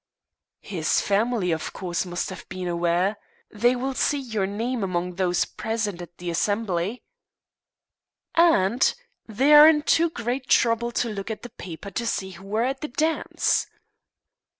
"His family, of course, must have been aware. They will see your name among those present at the assembly." "Aunt, they are in too great trouble to look at the paper to see who were at the dance."